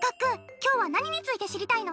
今日は何について知りたいの？